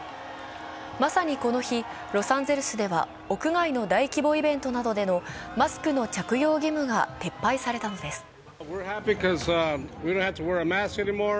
まさにこの日、ロサンゼルスでは屋外の大規模イベントなどでのマスクの着用義務が撤廃されたのです。